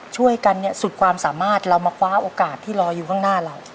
ช่วยกันเนี่ยสุดความสามารถเรามาคว้าโอกาสที่รออยู่ข้างหน้าเรา